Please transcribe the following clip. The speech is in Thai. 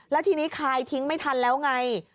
แล้วทีนี้คายทิ้งไม่ทันแล้วไง